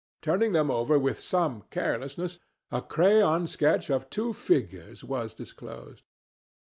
Turning them over with seeming carelessness, a crayon sketch of two figures was disclosed.